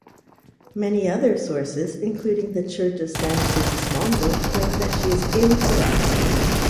Many other sources, including the Church of San Sigismondo, claim that she is incorrupt.